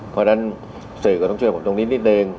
เพราะฉะนั้นศือกีย์ก็ต้องช่วยกันผมนิดนิดหนึ่ง